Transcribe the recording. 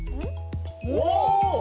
お！